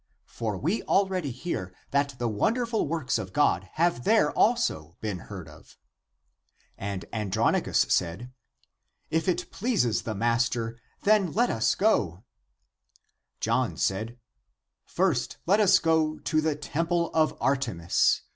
For we already hear that the wonderful works of God have there also been heard of." And Andronicus said. ACTS OF JOHN 149 " If it pleases the master, then let us go !" John said, " First let us go to the temple of Artemis